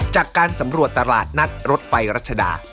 จากการสำรวจตลาดนัดรถไฟรัชดา